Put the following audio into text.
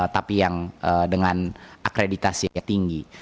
tapi yang dengan akreditasi yang tinggi